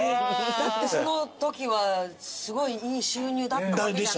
だってそのときはすごいいい収入だったわけじゃないですか。